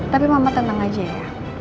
tapi mama tenang aja ya